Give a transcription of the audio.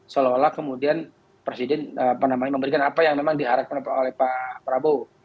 seolah olah kemudian presiden memberikan apa yang memang diharapkan oleh pak prabowo